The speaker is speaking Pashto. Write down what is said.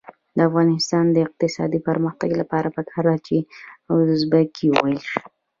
د افغانستان د اقتصادي پرمختګ لپاره پکار ده چې ازبکي وویل شي.